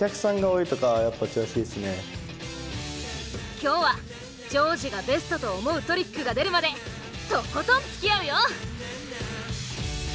今日は丈司がベストと思うトリックが出るまでとことんつきあうよ！